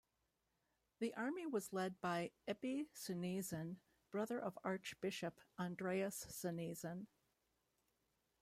The army was led by Ebbe Sunesen, brother of Archbishop Andreas Sunesen.